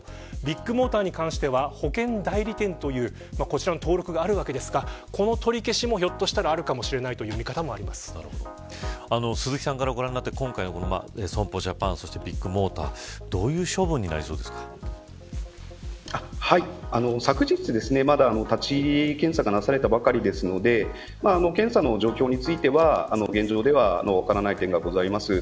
ビッグモーターに関しては保険代理店という登録があるわけですがこの取り消しもひょっとしたらあるかもしれない鈴木さんからご覧になって今回の損保ジャパンそしてビッグモーター昨日まだ立ち入り検査がなされたばかりですので検査の状況については現状では分からない点があります。